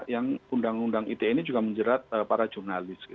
yang undang undang ite ini juga menjerat para jurnalis